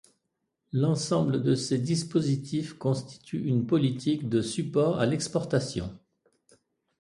L'ensemble de ces dispositifs constitue une politique de support à l'exportation.